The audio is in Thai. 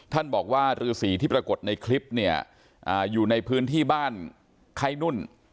ท่านบอกว่าฤษีที่ปรากฏในคลิปเนี่ยอยู่ในพื้นที่บ้านไข้นุ่น